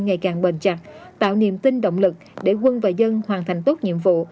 ngày càng bền chặt tạo niềm tin động lực để quân và dân hoàn thành tốt nhiệm vụ